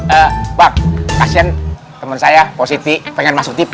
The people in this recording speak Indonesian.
eh bang kasihan temen saya positi pengen masuk tv